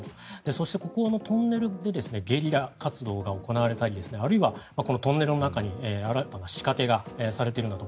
そして、ここのトンネルでゲリラ活動が行われたりあるいはこのトンネルの中に新たな仕掛けがされているんだと。